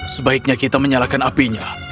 sebaiknya kita menyalakan apinya